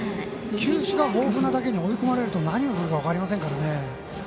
球種が豊富なだけに追い込まれると何がくるか分かりませんからね。